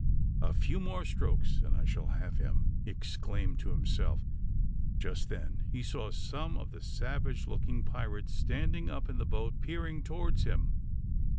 "A few more strokes, and I shall have him," he exclaimed to himself. Just then he saw some of the savage looking pirates standing up in the boat peering towards him.